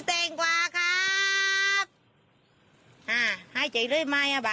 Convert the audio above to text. เวลาพ่อค้าครับ